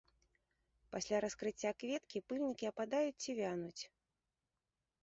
Пасля раскрыцця кветкі пыльнікі ападаюць ці вянуць.